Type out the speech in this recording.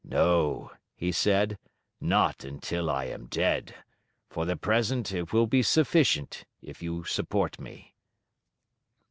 "No," he said, "not until I am dead; for the present it will be sufficient if you support me."